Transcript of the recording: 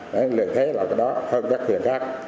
đấy là thế là cái đó hơn các huyện khác